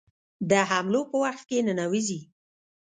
د حملو په وخت کې ننوزي.